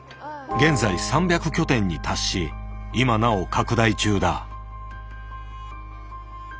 現在３００拠点に達し今なお拡大中だ。